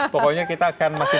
pokoknya kita akan masih